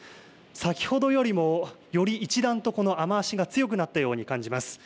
先ほどよりもより一段とこの雨足が強くなったように感じます。